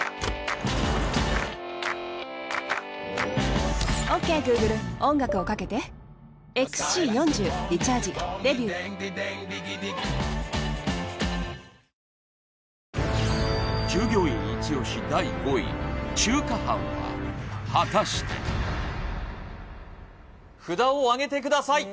新「ＥＬＩＸＩＲ」従業員イチ押し第５位中華飯は果たして札をあげてください